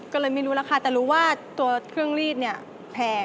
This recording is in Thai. ก็เลยไม่รู้ราคาแต่รู้ว่าตัวเครื่องรีดเนี่ยแพง